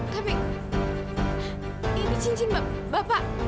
tapi ini cincin bapak